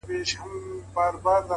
• نه یې له تیارې نه له رڼا سره ,